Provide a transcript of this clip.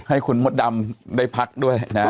ให้คุณมดดำได้พักด้วยนะ